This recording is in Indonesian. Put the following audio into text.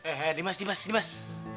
eh eh dimas dimas dimas